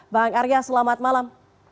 bang arya selamat malam